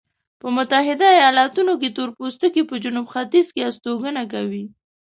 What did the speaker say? په متحده ایلاتونو کې تورپوستکي په جنوب ختیځ کې استوګنه کوي.